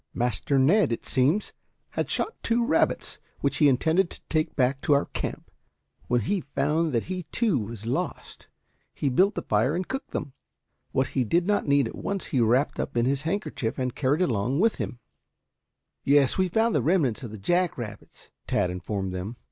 "Master Ned, it seems, had shot two rabbits which he intended to take back to our camp. When he found that he too was lost, he built a fire and cooked them. What he did not need at once he wrapped up in his handkerchief and carried along with him " "Yes, we found the remnants of the jack rabbits," Tad informed them.